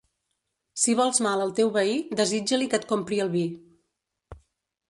Si vols mal al teu veí, desitja-li que et compri el vi.